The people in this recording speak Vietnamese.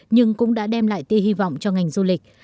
nhưng cũng đã đem lại tia hy vọng cho ngành du lịch